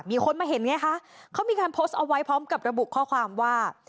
มีคนมาเห็นไงคะเขามีการโพสต์เอาไว้พร้อมกับระบุข้อความว่า